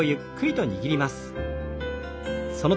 はい。